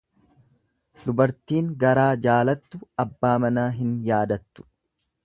Dubartiin garaa jaalattu abbaa manaa hin yaadattu.